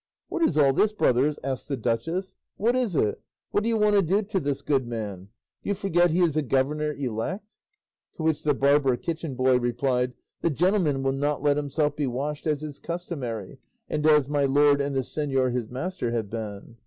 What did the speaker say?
"What is all this, brothers?" asked the duchess. "What is it? What do you want to do to this good man? Do you forget he is a governor elect?" To which the barber kitchen boy replied, "The gentleman will not let himself be washed as is customary, and as my lord and the señor his master have been."